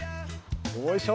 おいしょ！